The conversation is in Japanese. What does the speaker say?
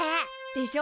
でしょ？